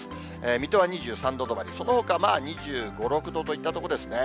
水戸は２３度止まり、そのほか、まあ２５、６度といったところですね。